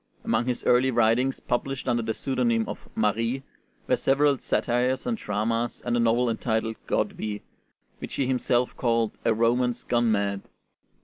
Among his early writings, published under the pseudonym of 'Marie,' were several satires and dramas and a novel entitled 'Godwi,' which he himself called "a romance gone mad."